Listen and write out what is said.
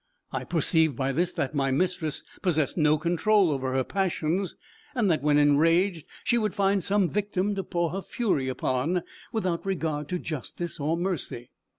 I perceived by this that my mistress possessed no control over her passions; and that when enraged she would find some victim to pour her fury upon, without regard to justice or mercy.